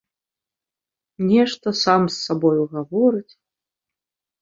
Нешта сам з сабою гаворыць.